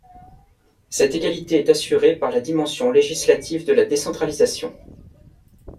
Cette égalité est assurée par la dimension législative de la décentralisation.